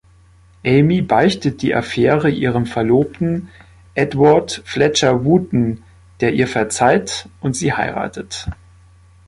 Amy beichtet die Affäre ihrem Verlobten Edward Fletcher-Wooten, der ihr verzeiht und sie heiratet.